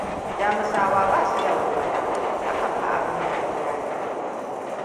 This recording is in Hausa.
Jamusawa ba su da walwala? Hakan fa abin dariya ba ne.